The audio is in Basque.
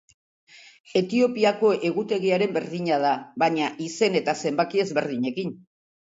Etiopiako egutegiaren berdina da, baina izen eta zenbaki ezberdinekin.